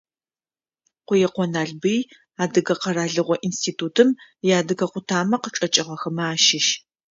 Къуекъо Налбый, Адыгэ къэралыгъо институтым иадыгэ къутамэ къычӏэкӏыгъэхэмэ ащыщ.